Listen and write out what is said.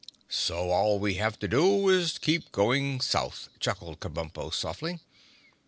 "So all we have to do is to keep going South," chuckled Kabumpo softly.